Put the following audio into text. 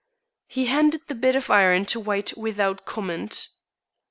He handed the bit of iron to White without comment.